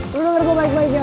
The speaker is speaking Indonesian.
lu denger gue baik baiknya